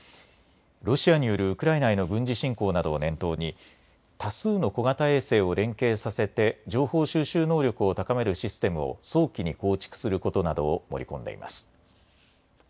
ロシアによるウクライナへの軍事侵攻などを念頭に多数の小型衛星を連携させて情報収集能力を高めるシステムを早期に構築することなどを盛り込んでいます。